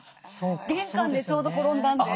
玄関でちょうど転んだんで。